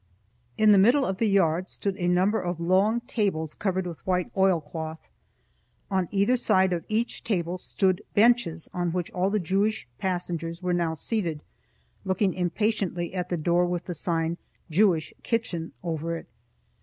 In the middle of the yard stood a number of long tables covered with white oilcloth. On either side of each table stood benches on which all the Jewish passengers were now seated, looking impatiently at the door with the sign "Jewish Kitchen" over it.